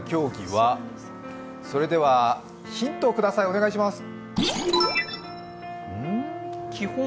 ヒントをください、お願いします。